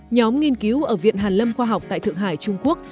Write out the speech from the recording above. nhóm nghiên cứu ở viện hàn lâm khoa học tại thượng hải trung quốc